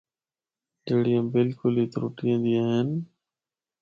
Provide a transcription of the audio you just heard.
جڑّیاں بلکل ہی ترٹِّیاں دیاں ہن۔